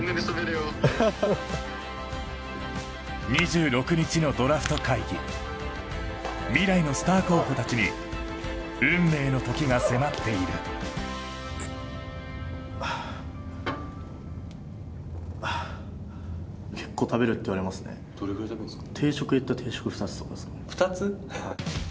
２６日のドラフト会議未来のスター候補たちに運命の時が迫っているどれぐらい食べるんですか？